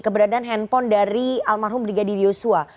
keberadaan handphone dari almarhum brigadir yosua